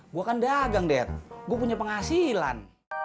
gue kan dagang deh gue punya penghasilan